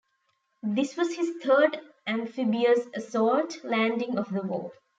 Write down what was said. This was his third amphibious assault landing of the war.